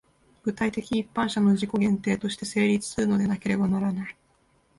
具体的一般者の自己限定として成立するのでなければならない。